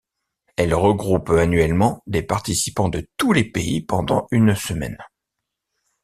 Elle regroupe annuellement des participants de tous les pays pendant une semaine.